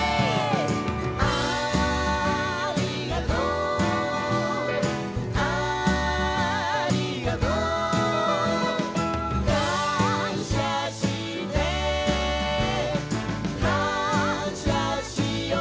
「ありがとうありがとう」「感謝して感謝しよう」